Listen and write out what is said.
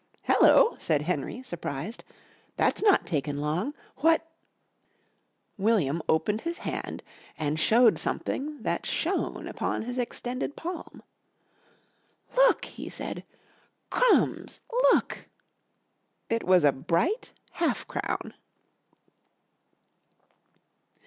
"Hello!" said Henry, surprised. "That's not taken long. What " William opened his hand and showed something that shone upon his extended palm. "Look!" he said. "Crumbs! Look!" It was a bright half crown.